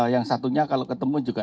yang satunya kalau ketemu juga